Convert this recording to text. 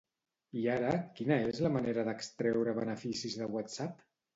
I ara, quina és la manera d'extreure beneficis de WhatsApp?